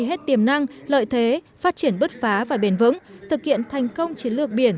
hết tiềm năng lợi thế phát triển bứt phá và bền vững thực hiện thành công chiến lược biển